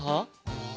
え？